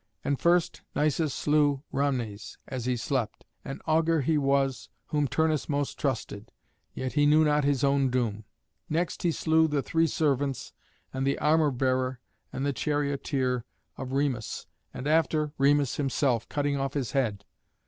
And first Nisus slew Rhamnes as he slept: an augur he was, whom Turnus most trusted, yet he knew not his own doom. Next he slew the three servants and the armour bearer and the charioteer of Remus, and, after, Remus himself, cutting off his head.